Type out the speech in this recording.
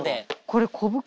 これ。